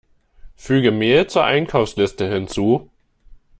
Füge Mehl zur Einkaufsliste hinzu!